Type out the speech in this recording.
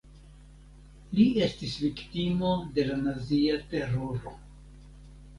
Li estis viktimo de la nazia teroro.